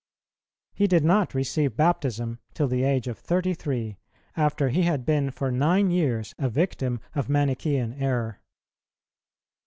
He did not receive baptism till the age of thirty three, after he had been for nine years a victim of Manichæan error.